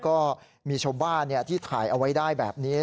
ก็มีชาวบ้านที่ถ่ายเอาไว้ได้แบบนี้